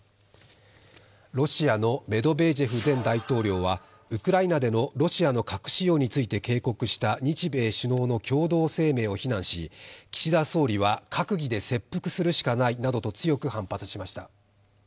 ロシアのメドベージェフ前大統領はウクライナでのロシアの核使用について警告した日米首脳の共同声明を非難し、岸田総理は閣議で切腹するしかないなどと強く反発しました。